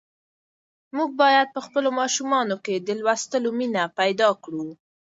موږ باید په خپلو ماشومانو کې د لوستلو مینه پیدا کړو.